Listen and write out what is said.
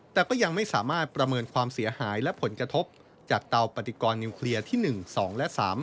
แต่ก็ยังไม่สามารถประเมินความเสียหายและผลกระทบจากเตาปฏิกรนิวเคลียร์ที่๑๒และ๓